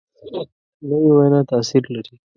نوې وینا تاثیر لري